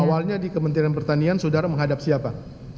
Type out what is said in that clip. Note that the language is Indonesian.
awalnya di kementerian pertanian saudara menghadap siapa